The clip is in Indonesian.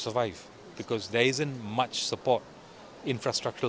karena tidak ada banyak sokongan infrastruktur